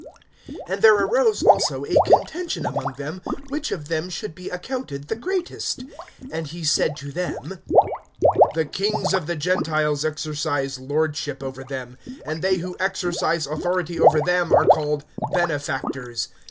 (24)And there arose also a contention among them, which of them should be accounted the greatest. (25)And he said to them: The kings of the Gentiles exercise lordship over them; and they who exercise authority over them are called benefactors.